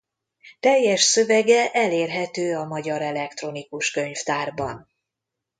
Teljes szövege elérhető a Magyar Elektronikus Könyvtárban.